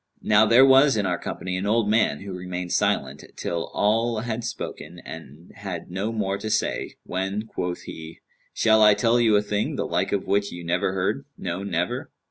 Now there was in our company an old man, who remained silent, till all had spoken and had no more to say, when quoth he, 'Shall I tell you a thing, the like of which you never heard; no, never?'